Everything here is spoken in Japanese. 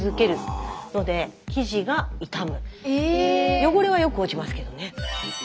汚れはよく落ちますけどね。